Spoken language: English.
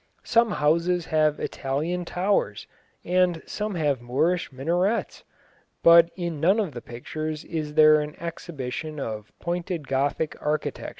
Some houses have Italian towers and some have Moorish minarets, but in none of the pictures is there an exhibition of pointed Gothic architecture."